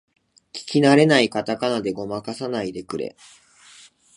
聞きなれないカタカナでごまかさないでくれ